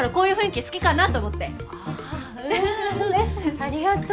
ありがとう。